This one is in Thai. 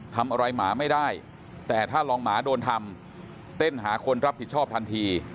ทำอะไรหมาไม่ได้แต่ถ้าลองหมาโดนทำเต้นหาคนรับผิดชอบทันที